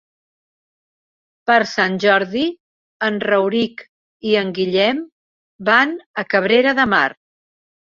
Per Sant Jordi en Rauric i en Guillem van a Cabrera de Mar.